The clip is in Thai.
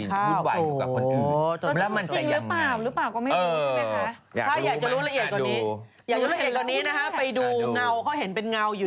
อยากจะรู้ละเอียดกว่านี้นะคะไปดูเงาเค้าเห็นเป็นเงาอยู่